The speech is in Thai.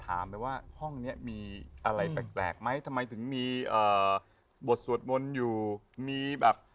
ถามเลยว่าห้องเนี้ยมีอะไรแปลกแปลกไหมทำไมถึงมีบทสวดมนต์อยู่มีแบบ